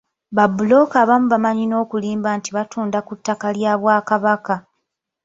Ba bbulooka abamu bamanyi n'okulimba nti batunda ku ttaka lya Bwakabaka.